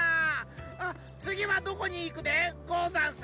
あつぎはどこにいくでござんす？